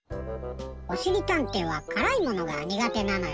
おしりたんていは辛いものがにがてなのよね！